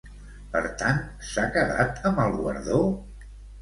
Per tant, s'ha quedat amb el guardó?